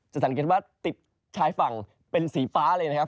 สังเกตว่าติดชายฝั่งเป็นสีฟ้าเลยนะครับ